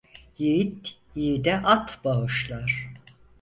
Yiğit yiğide at bağışlar.